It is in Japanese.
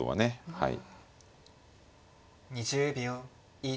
はい。